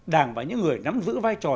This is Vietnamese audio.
đảng và những người nắm giữ vai trò